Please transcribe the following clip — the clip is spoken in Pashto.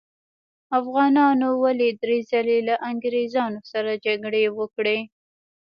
افغانانو ولې درې ځلې له انګریزانو سره جګړې وکړې؟